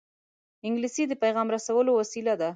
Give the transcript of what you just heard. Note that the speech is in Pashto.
انګلیسي د پېغام رسولو وسیله ده